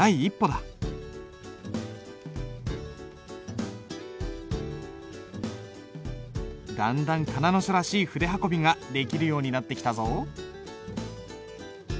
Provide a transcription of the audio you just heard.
だんだん仮名の書らしい筆運びができるようになってきたぞ。